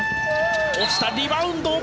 落ちた、リバウンド。